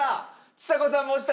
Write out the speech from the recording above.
ちさ子さんも押した。